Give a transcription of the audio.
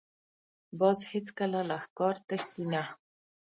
باز هېڅکله له ښکار تښتي نه